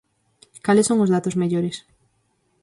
¿Cales son os datos mellores?